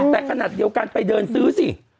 แต่ขนาดเดียวกันไปเดินซื้อสิ